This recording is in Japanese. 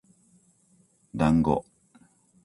だんご